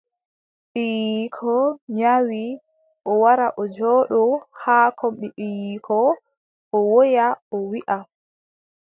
Ɓiiyiiko nyawi, o wara o jooɗo haa kombi ɓiiyiiko o woya o wiiʼa.